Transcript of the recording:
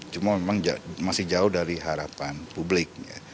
cuma memang masih jauh dari harapan publik